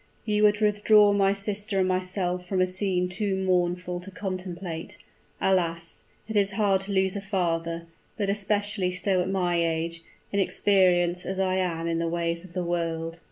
You would withdraw my sister and myself from a scene too mournful to contemplate. Alas! it is hard to lose a father; but especially so at my age, inexperienced as I am in the ways of the world!"